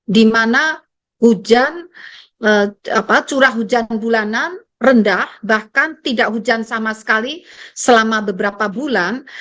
di mana curah hujan bulanan rendah bahkan tidak hujan sama sekali selama beberapa bulan